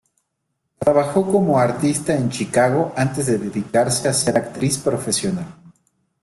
Trabajó como artista en Chicago antes de dedicarse a ser actriz profesional.